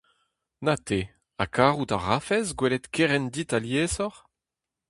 Na te, ha karout a rafes gwelet kerent dit aliesoc'h ?